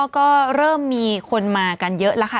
ก็เริ่มมีคนมากันเยอะแล้วค่ะ